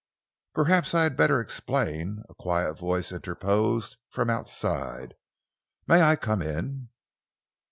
"Perhaps I had better explain," a quiet voice interposed from outside. "May I come in?"